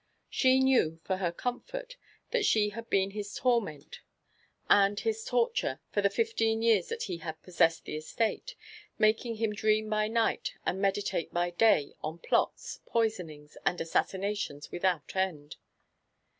She knew *for her comfort— ^Ihat she hdd been his torment and his torture for the fifteen years that he had posjsessed the estate, making him dream by night and meditate by day on plots, poisonings, and as sassinations without end.